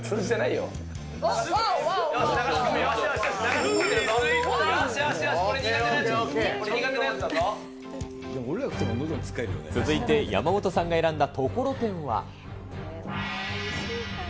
よしよしよし、これ、苦手な続いて山本さんが選んだところてんは。